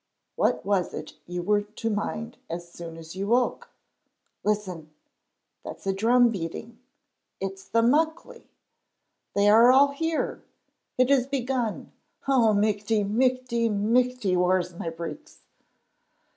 What was it you were to mind as soon as you woke? Listen! That's a drum beating! It's the Muckley! They are all here! It has begun! Oh, michty, michty, michty, whaur's my breeks?